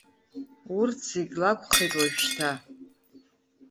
Урҭ зегь лакәхеит уажәшьҭа.